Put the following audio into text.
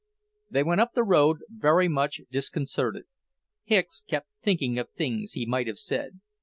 They went up the road very much disconcerted. Hicks kept thinking of things he might have said.